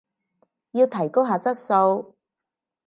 要提高下質素